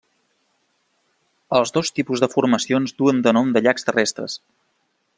Els dos tipus de formacions duen de nom de llacs terrestres.